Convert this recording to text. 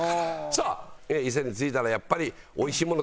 さあ伊勢に着いたらやっぱりおいしいもの